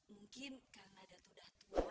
mungkin karena datu dah tua